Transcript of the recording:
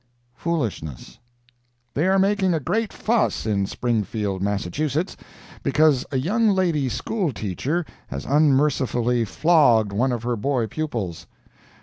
FOOLISHNESS They are making a great fuss in Springfield, Mass., because a young lady school teacher has unmercifully flogged one of her boy pupils.